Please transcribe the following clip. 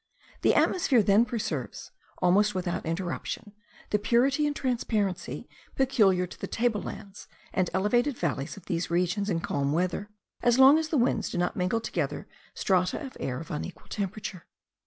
The atmosphere then preserves, almost without interruption, the purity and transparency peculiar to the table lands and elevated valleys of these regions in calm weather, as long as the winds do not mingle together strata of air of unequal temperature.